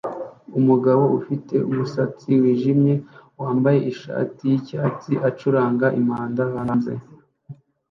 Umugabo ufite umusatsi wijimye wambaye ishati yicyatsi acuranga impanda hanze